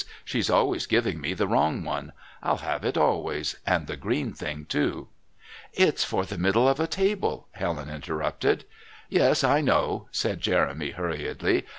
She's always giving me the wrong one. I'll have it always, and the green thing too." "It's for the middle of a table," Helen interrupted. "Yes, I know," said Jeremy hurriedly.